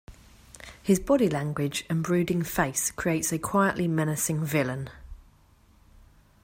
His body language and brooding face creates a quietly menacing villain.